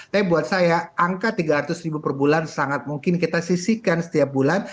tapi buat saya angka tiga ratus ribu per bulan sangat mungkin kita sisikan setiap bulan